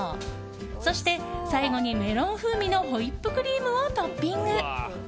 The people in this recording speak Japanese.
そして最後にメロン風味のホイップクリームをトッピング。